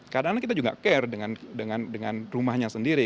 kadang kadang kita juga care dengan rumahnya sendiri